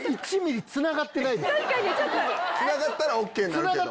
つながったらＯＫになるけど。